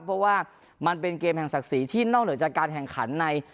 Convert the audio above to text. เพราะว่ามันเป็นเกมแห่งศักดิ์ศรีที่นอกเหนือจากการแข่งขันใน